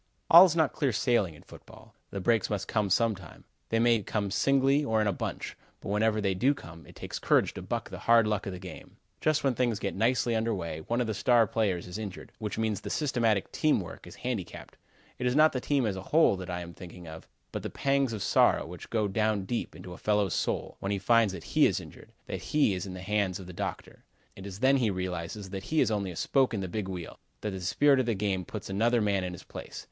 All is not clear sailing in football. The breaks must come some time. They may come singly or in a bunch, but whenever they do come, it takes courage to buck the hard luck in the game. Just when things get nicely under way one of the star players is injured, which means the systematic team work is handicapped. It is not the team, as a whole that I am thinking of, but the pangs of sorrow which go down deep into a fellow's soul, when he finds that he is injured; that he is in the hands of the doctor. It is then he realizes that he is only a spoke in the big wheel; that the spirit of the game puts another man in his place.